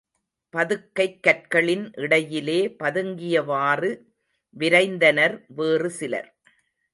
பதுக்கைக் கற்களின் இடையிலே பதுங்கியவாறு விரைந்தனர் வேறு சிலர்.